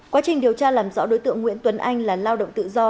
quá trình điều tra làm rõ đối tượng nguyễn tuấn anh là lao động tự do